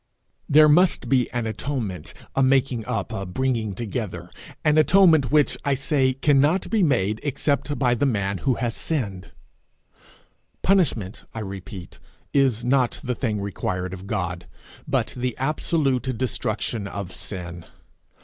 There must be an atonement, a making up, a bringing together an atonement which, I say, cannot be made except by the man who has sinned. Punishment, I repeat, is not the thing required of God, but the absolute destruction of sin.